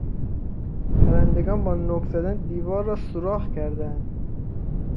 پرندگان با نوک زدن دیوار را سوراخ کردهاند.